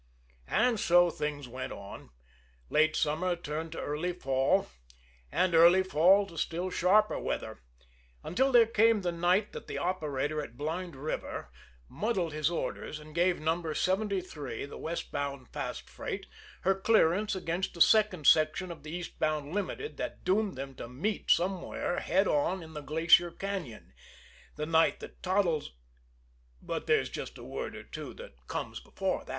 And so things went on. Late summer turned to early fall, and early fall to still sharper weather, until there came the night that the operator at Blind River muddled his orders and gave No. 73, the westbound fast freight, her clearance against the second section of the eastbound Limited that doomed them to meet somewhere head on in the Glacier Cañon; the night that Toddles but there's just a word or two that comes before.